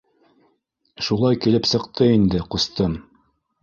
Шулай килеп сыҡты инде, ҡустым.